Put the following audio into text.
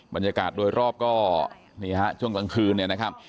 บรรยากาศโดยรอบก็นี่ฮะช่วงกลางคืนเนี่ยนะครับ